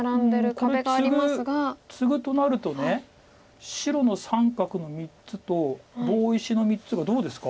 これツグとなると白の三角の３つと棒石の３つがどうですか？